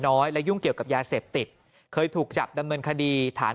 น้อยและยุ่งเกี่ยวกับยาเสพติดเคยถูกจับดำเนินคดีฐาน